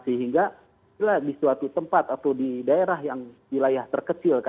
sehingga di suatu tempat atau di daerah yang wilayah terkecil